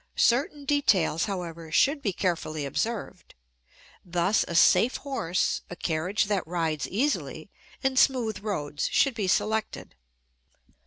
Certain details, however, should be carefully observed; thus, a safe horse, a carriage that rides easily, and smooth roads should be selected.